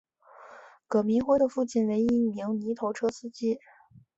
葛民辉的父亲为一名泥头车司机。